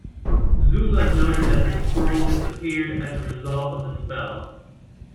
Zula noted that the scroll disappeared as a result of the spell.